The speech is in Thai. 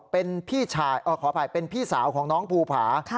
เป็นพี่สาวของน้องภูผา